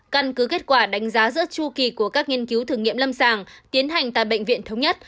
căn cứ kết quả đánh giá giữa chu kỳ của các nghiên cứu thử nghiệm lâm sàng tiến hành tại bệnh viện thống nhất